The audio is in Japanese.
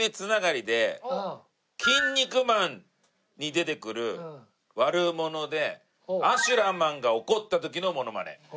『キン肉マン』に出てくる悪者でアシュラマンが怒った時のモノマネ。